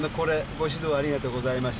ご指導ありがとうございました。